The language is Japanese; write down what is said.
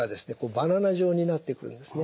バナナ状になってくるんですね。